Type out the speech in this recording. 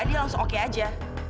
dia langsung oke aja